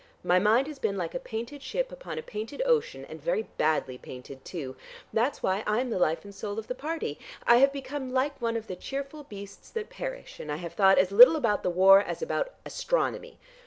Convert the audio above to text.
My mind has been like a 'painted ship upon a painted ocean,' and very badly painted too. That's why I'm the life and soul of the party; I have become like one of the cheerful beasts that perish and I have thought as little about the war as about astronomy.